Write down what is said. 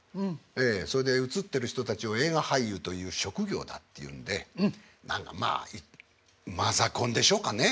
それで映ってる人たちを映画俳優という職業だっていうんでまあマザコンでしょうかね。